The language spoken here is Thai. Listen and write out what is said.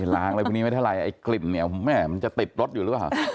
ไอล่างวันนี้ไหมทรายไอเขลียนมันจะติดรถอยู่หรือเปล่า